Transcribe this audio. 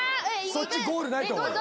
そっちゴールないと思う。